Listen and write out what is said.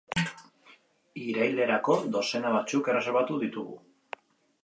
Irailerako dozena batzuk erreserbatu ditugu.